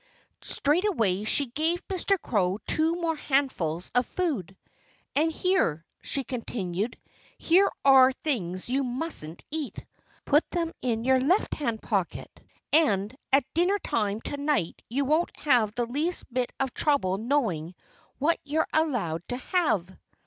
Straightway she gave Mr. Crow two more handfuls of food. "And here," she continued, "here are things you mustn't eat. Put them in your left hand pocket. And at dinner time to night you won't have the least bit of trouble knowing what you're allowed to have."